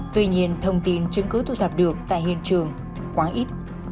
tuy nhiên thông tin chứng cứ thu thập được tại hiện trường quá ít